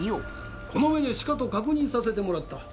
この目でしかと確認させてもらった。